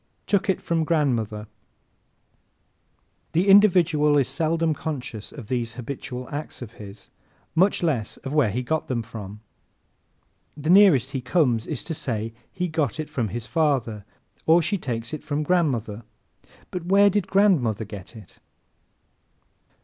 "Took It" From Grandmother ¶ The individual is seldom conscious of these habitual acts of his, much less of where he got them. The nearest he comes is to say he "got it from his father" or "she takes it from grandmother." But where did grandmother get it?